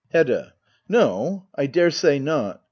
Hedda. No, I daresay not.